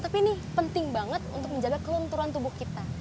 tapi ini penting banget untuk menjaga kelenturan tubuh kita